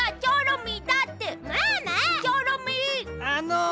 あの。